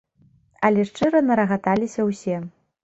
Але шчыра нарагаталіся ўсе.